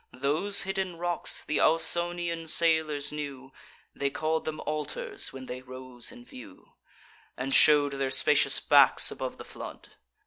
Those hidden rocks th' Ausonian sailors knew: They call'd them Altars, when they rose in view, And show'd their spacious backs above the flood.